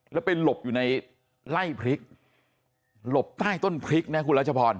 แล้วไปหลบอยู่ในไล่พริกหลบใต้ต้นพริกนะคุณรัชพร